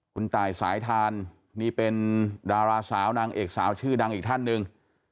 คุณตายสายทานนี่เป็นดาราสาวนางเอกสาวชื่อดังอีกท่านหนึ่ง